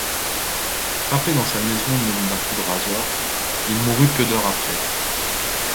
Frappé dans sa maison même d'un coup de rasoir, il mourut peu d'heures après.